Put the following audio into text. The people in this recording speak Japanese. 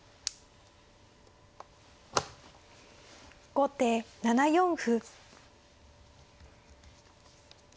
後手７四歩。